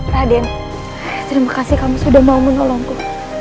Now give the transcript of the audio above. raden terima kasih kamu sudah mau menolongku